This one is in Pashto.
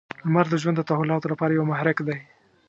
• لمر د ژوند د تحولاتو لپاره یو محرک دی.